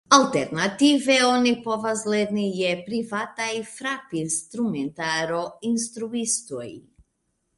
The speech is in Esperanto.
Alternative oni povas lerni je privataj frapinstrumentaro-instruistoj.